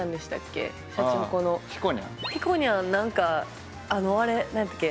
ひこにゃん何かあれ何やったっけ